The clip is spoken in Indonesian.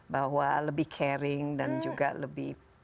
bahwa lebih caring dan juga lebih